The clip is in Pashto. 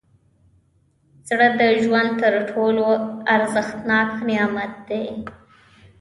زړه د ژوند تر ټولو ارزښتناک نعمت دی.